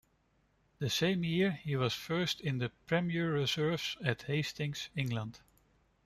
The same year he was first in the Premier Reserves at Hastings, England.